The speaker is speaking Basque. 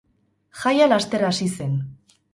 Jaia laster hasi zen.